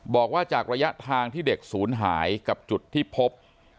บอกว่าจากระยะทางที่เด็กศูนย์หายกับจุดที่พบ